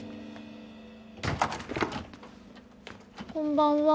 こんばんは。